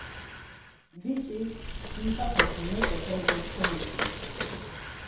Biç̌i Ç̌inǩapek meçopes do keliǩlimes.